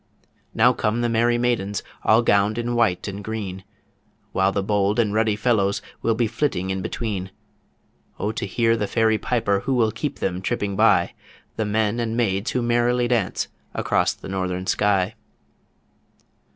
Now come the Merry Maidens, All gowned in white and green, While the bold and ruddy fellows Will be flitting in between O to hear the fairy piper Who will keep them tripping by! The men and maids who merrily dance across the Northern Sky.